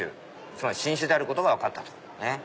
つまり新種であることが分かったってことね。